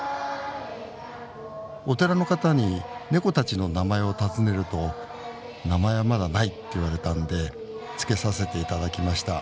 お寺の方にネコたちの名前を尋ねると名前はまだないって言われたんで付けさせていただきました。